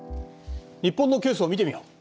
日本のケースを見てみよう。